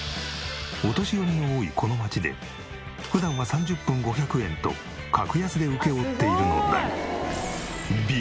お年寄りの多いこの街で普段は３０分５００円と格安で請け負っているのだが。